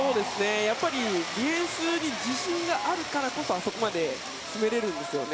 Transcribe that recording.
やっぱりディフェンスに自信があるからこそあそこまで詰められるんですよね。